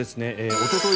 おととい